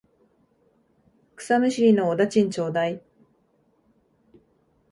草むしりのお駄賃ちょうだい。